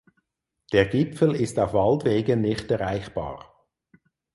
Der Gipfel ist auf Waldwegen nicht erreichbar.